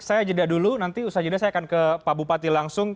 saya jeda dulu nanti usaha jeda saya akan ke pak bupati langsung